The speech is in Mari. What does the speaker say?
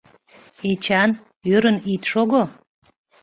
— Эчан, ӧрын ит шого.